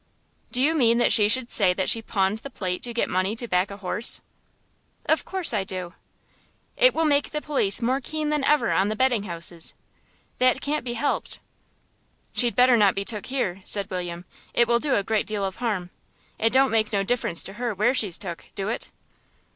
"Do you mean that she should say that she pawned the plate to get money to back a horse?" "Of course I do." "It will make the police more keen than ever on the betting houses." "That can't be helped." "She'd better not be took here," said William; "it will do a great deal of harm.... It don't make no difference to her where she's took, do it?"